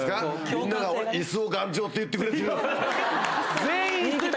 みんながいすが頑丈って言ってくれてるって。